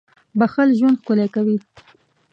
• بښل ژوند ښکلی کوي.